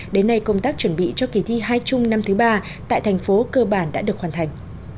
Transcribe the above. đến nay công tác chuẩn bị cho kỳ thi hai chung năm thứ ba tại thành phố cơ bản đã được hoàn thành